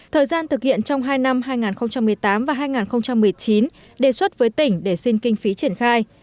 thời gian thực hiện trong hai năm hai nghìn một mươi tám và hai nghìn một mươi chín đề xuất với tỉnh để xin kinh phí triển khai